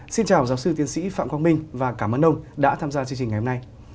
xin chào giáo sư tiến sĩ phạm quang minh và cảm ơn ông đã tham gia chương trình ngày hôm nay